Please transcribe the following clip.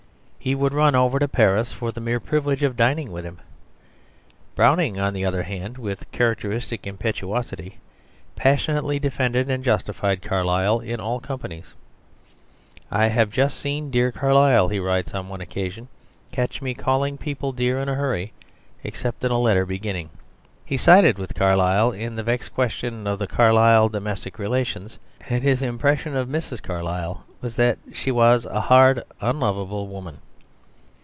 He would run over to Paris for the mere privilege of dining with him. Browning, on the other hand, with characteristic impetuosity, passionately defended and justified Carlyle in all companies. "I have just seen dear Carlyle," he writes on one occasion; "catch me calling people dear in a hurry, except in a letter beginning." He sided with Carlyle in the vexed question of the Carlyle domestic relations, and his impression of Mrs. Carlyle was that she was "a hard unlovable woman."